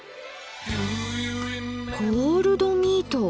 「コールドミート」。